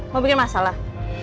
mau bikin masalah